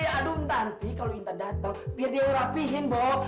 aduh nanti kalau intan datang biar dia rapihin bo